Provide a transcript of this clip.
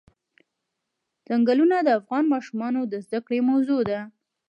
چنګلونه د افغان ماشومانو د زده کړې موضوع ده.